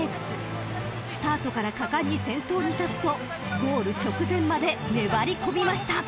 ［スタートから果敢に先頭に立つとゴール直前まで粘り込みました］